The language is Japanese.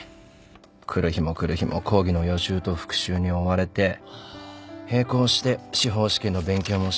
来る日も来る日も講義の予習と復習に追われて並行して司法試験の勉強もしなきゃならない。